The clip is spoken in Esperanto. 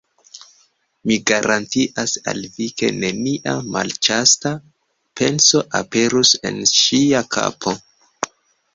Mi garantias al vi, ke nenia malĉasta penso aperus en ŝia kapo.